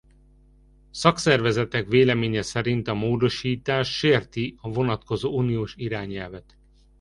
Szakszervezetek véleménye szerint a módosítás sérti a vonatkozó uniós irányelvet.